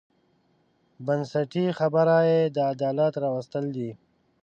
بنسټي خبره یې د عدالت راوستل دي.